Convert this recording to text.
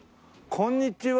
こんにちは。